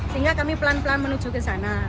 sehingga kami pelan pelan menuju ke sana